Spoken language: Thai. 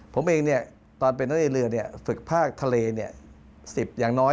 ผมเองตอนไปในเรือฝึกภาคทะเล๑๐อย่างน้อย